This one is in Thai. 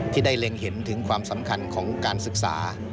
ที่ได้เล็งเห็นถึงความสำคัญของการศึกษา